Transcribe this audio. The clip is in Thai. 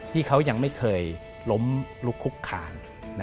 ที่เขายังไม่เคยล้มลุกคุกคาน